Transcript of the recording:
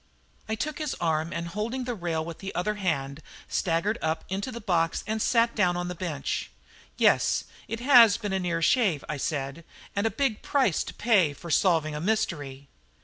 I took his arm, and holding the rail with the other hand staggered up into the box and sat down on the bench. "Yes, it has been a near shave," I said; "and a big price to pay for solving a mystery."